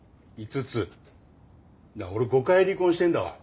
俺５回離婚してるんだわ。